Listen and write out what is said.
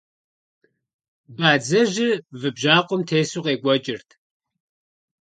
Бадзэжьыр вы бжьакъуэм тесу къекӀуэкӀырт.